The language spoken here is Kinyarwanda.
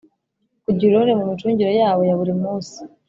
kugira uruhare mu micungire yabo yaburi musi